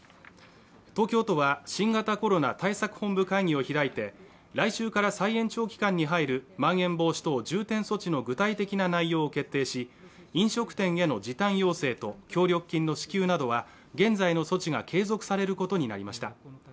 東京都は新型コロナ対策本部会議を開いて来週から再延長期間に入るまん延防止等重点措置の具体的な内容を決定し飲食店への時短要請と協力金の支給などは現在の措置が継続されることになりました